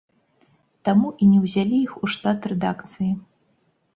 Таму і не ўзялі іх у штат рэдакцыі.